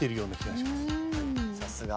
さすが。